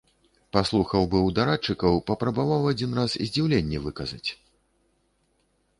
Паслухаў быў дарадчыкаў, папрабаваў адзін раз здзіўленне выказаць.